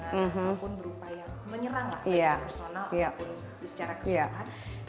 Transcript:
ataupun berupa yang menyerang lah personal ataupun secara keseluruhan